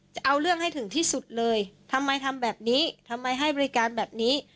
จะเอาเรื่องให้ถึงที่สุดเลยทำไมทำแบบนี้ทำไมให้บริการแบบนี้